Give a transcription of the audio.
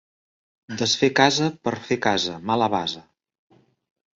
Desfer casa per fer casa, mala basa.